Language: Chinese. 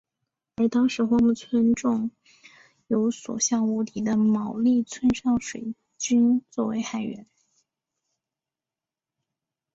而当时荒木村重有所向无敌的毛利村上水军作海援。